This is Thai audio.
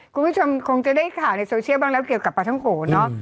คุณผู้ชมคงจะได้ข่าวในโซเชียลบ้างแล้วเกี่ยวกับปลาท้องโขนเนอะ